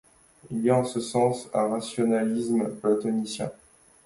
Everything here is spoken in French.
Il y a en ce sens un rationalisme platonicien.